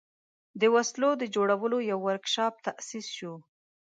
د وسلو د جوړولو یو ورکشاپ تأسیس شو.